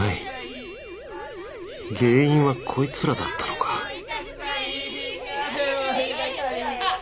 原因はこいつらだったのかあっ。